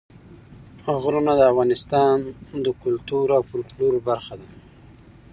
غرونه د افغانستان د کلتور او فولکلور برخه ده.